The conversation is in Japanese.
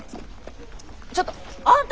ちょっとあんた！